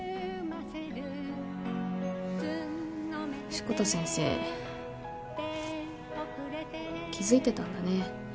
志子田先生気付いてたんだね。